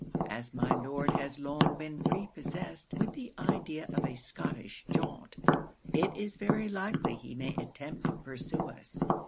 As my Lord has long been prepossessed with the idea of a Scottish jaunt, it is very likely he may attempt to pursue us.